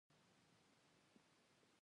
د ځوانۍ د دانو لپاره د څه شي سرکه وکاروم؟